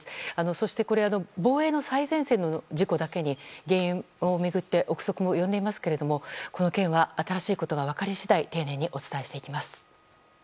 そして防衛の最前線の事故だけに原因を巡って憶測も呼んでいますけどもこの件は新しいことが分かり次第丁寧にお伝えしていきます。